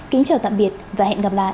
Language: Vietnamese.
kính chào tạm biệt và hẹn gặp lại